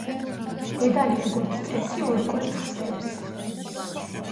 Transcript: დედალი როგორც წესი, ორ კვერცხს დებს.